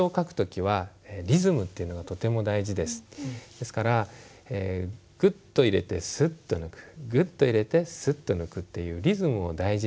ですからグッと入れてスッと抜くグッと入れてスッと抜くっていうリズムを大事に書いて下さい。